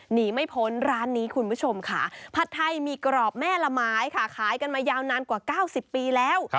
หนีไม่พ้นร้านนี้คุณผู้ชมค่ะผัดไทยมีกรอบแม่ละไม้ค่ะขายกันมายาวนานกว่า๙๐ปีแล้ว